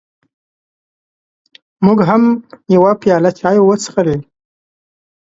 موږ هم یوه پیاله چای وڅښلې.